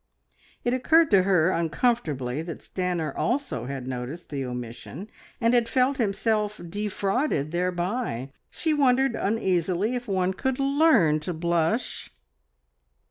It occurred to her uncomfortably that Stanor also had noticed the omission, and had felt himself defrauded thereby. She wondered uneasily if one could learn to blush!